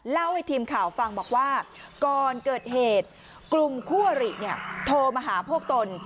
เล่าให้ทีมข่าวฟังบอกว่าก่อนเกิดเหตุกลุ่มคู่อริโทรมาหาพวกตน